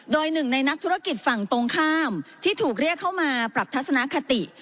โดยหนึ่งในนักธุรกิจฝั่งตรงข้ามที่ถูกเรียกเข้ามาปรับทัศนคติ